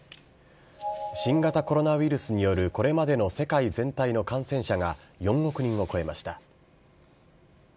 新型コロナウイルスによるこれまでの世界全体の感染者が、４億人を超えました。